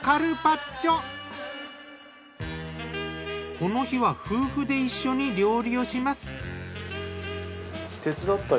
この日は夫婦で一緒に料理をします。